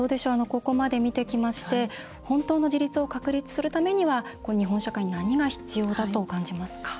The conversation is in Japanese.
ここまで見てきまして本当の自立を確立するためには日本社会、何が必要だと感じますか。